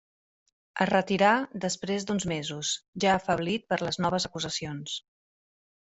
Es retirà després d'uns mesos, ja afeblit per les noves acusacions.